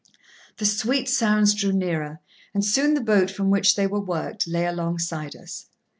The sweet sounds drew nearer, and soon the boat from which they were worked lay alongside us.